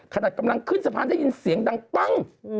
ขนาดกำลังขึ้นสะพานได้ยินเสียงดังปั้ง